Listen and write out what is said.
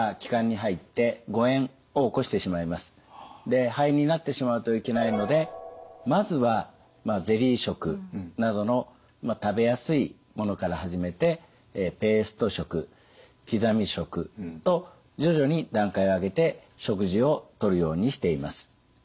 で肺炎になってしまうといけないのでまずはゼリー食などの食べやすいものから始めてペースト食刻み食と徐々に段階を上げて食事をとるようにしています。